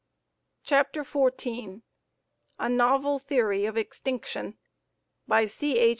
CHAPTER XIV A Novel Theory of Extinction By C. H.